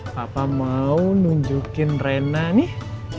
papa mau nunjukin rena nih